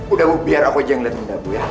udah bu biar aku aja yang liat linda bu ya